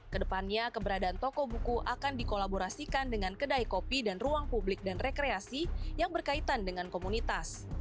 kedepannya keberadaan toko buku akan dikolaborasikan dengan kedai kopi dan ruang publik dan rekreasi yang berkaitan dengan komunitas